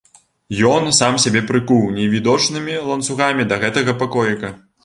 Ён сам сябе прыкуў невідочнымі ланцугамі да гэтага пакоіка.